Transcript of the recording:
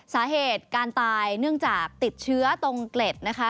สาเหตุการตายเนื่องจากติดเชื้อตรงเกล็ดนะคะ